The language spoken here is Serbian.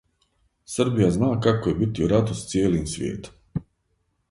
Србија зна како је бити у рату с цијелим свијетом.